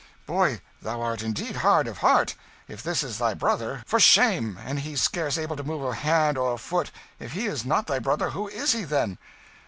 "Boy, thou art indeed hard of heart, if this is thy brother. For shame! and he scarce able to move hand or foot. If he is not thy brother, who is he, then?"